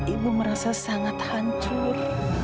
ibu merasa sangat hancur